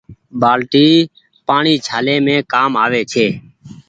بآلٽي پآڻيٚ ڇآليم ڪآم آوي ڇي۔